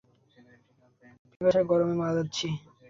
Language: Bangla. পিপাসায় গরমে মারা যাচ্ছি।